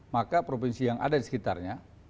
maka provinsi yang ada di sekitarnya